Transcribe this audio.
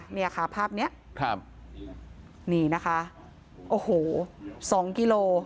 เนี่ยค่ะภาพเนี้ยครับนี่นะคะโอ้โหสองกิโล